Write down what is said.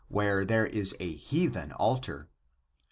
where there is a heathen altar.